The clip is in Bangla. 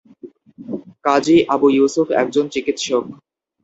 কাজী আবু ইউসুফ একজন চিকিৎসক।